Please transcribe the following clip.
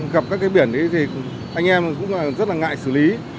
gặp các cái biển thì anh em cũng rất là ngại xử lý